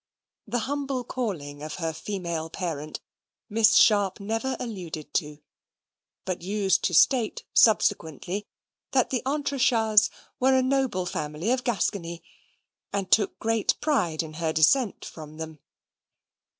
The humble calling of her female parent Miss Sharp never alluded to, but used to state subsequently that the Entrechats were a noble family of Gascony, and took great pride in her descent from them.